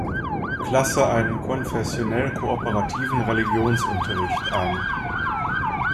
Klasse einen konfessionell-kooperativen Religionsunterricht an.